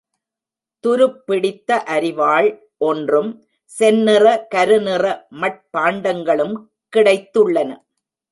துருப் பிடித்த அரிவாள் ஒன்றும், செந்நிற, கருநிற மட்பாண்டங்களும் கிடைத்துள்ளன.